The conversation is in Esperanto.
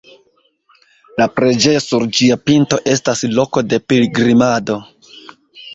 La preĝejo sur ĝia pinto estas loko de pilgrimado.